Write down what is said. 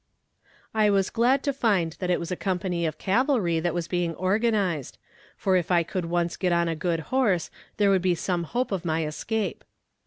I was glad to find that it was a company of cavalry that was being organized, for if I could once get on a good horse there would be some hope of my escape.